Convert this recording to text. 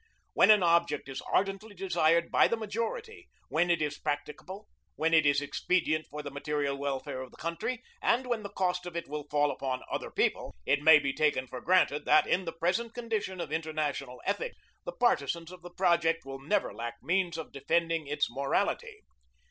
When an object is ardently desired by the majority, when it is practicable, when it is expedient for the material welfare of the country, and when the cost of it will fall upon other people, it may be taken for granted that in the present condition of international ethics the partisans of the project will never lack means of defending its morality.